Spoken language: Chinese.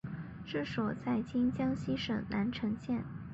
治所在今江西省南城县。